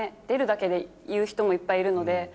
出るだけで言う人もいっぱいいるので。